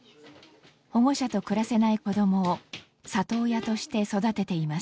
保護者と暮らせない子供を里親として育てています。